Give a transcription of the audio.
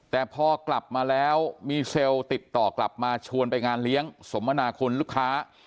แต่พอกลับมาแล้วมีเซลล์ติดต่อกลับมาชวนไปงานเลี้ยงสมนาคุณลูกค้า